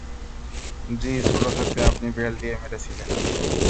জী, ছোট থাকতে আপনি বেল্ট দিয়ে মেরেছিলেন।